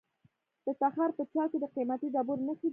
د تخار په چال کې د قیمتي ډبرو نښې دي.